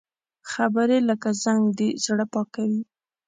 خبرې لکه زنګ دي، زړه پاکوي